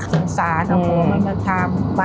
สงสารนะครับว่ามันมาทำ